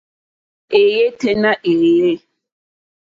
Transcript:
Èéyɛ́ tɛ́ nà èéyé.